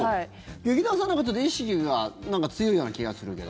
劇団さんなんか意識が強いような気がするけど。